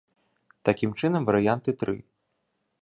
Такім чынам, варыянты тры.